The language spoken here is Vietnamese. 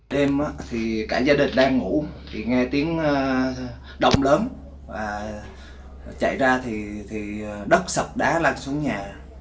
đêm thì cả gia đình đang ngủ thì nghe tiếng động lớn và chạy ra thì đất sập đá lăn xuống nhà